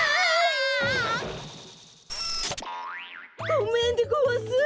ごめんでごわす。